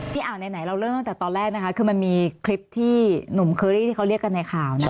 อ่าไหนเราเริ่มตั้งแต่ตอนแรกนะคะคือมันมีคลิปที่หนุ่มเคอรี่ที่เขาเรียกกันในข่าวนะ